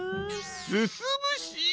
すすむし！